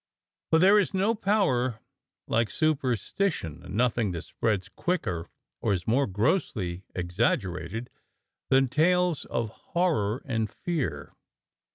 For there is no power like super stition, and nothing that spreads quicker or is more grossly exaggerated than tales of horror and fear.